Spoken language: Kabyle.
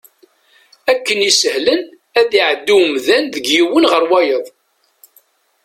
Akken isehlen ad iɛeddi umdan deg yiwen ɣer wayeḍ.